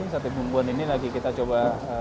sate bumbon ini lagi kita coba tingkatkan kualitasnya